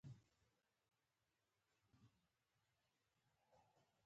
تنور د خندا او خبرو ځای دی